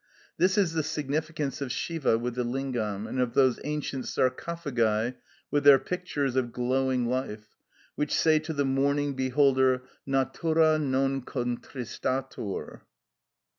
This is the significance of Siva with the lingam, and of those ancient sarcophagi with their pictures of glowing life, which say to the mourning beholder, Natura non contristatur.